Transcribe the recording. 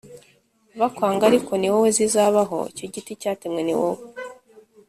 bakwanga ariko ni wowe zizabaho Icyo giti cyatemwe ni wowe